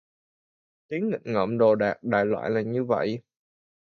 Tiếng nghịch ngợm đồ đạc đại loại là như vậy